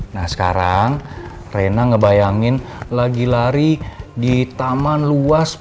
nah sekarang rena ngebayangin lagi lari di taman luas